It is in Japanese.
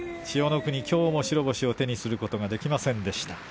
千代の国、きょうも白星を手にすることができませんでした。